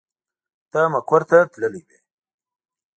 ته مقر ته تللې وې.